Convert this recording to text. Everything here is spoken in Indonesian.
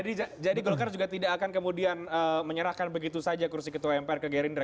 golkar juga tidak akan kemudian menyerahkan begitu saja kursi ketua mpr ke gerindra